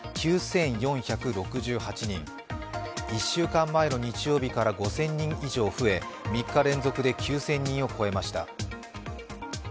１週間前の日曜日から５０００人以上増え３日連続で９０００人を超えました。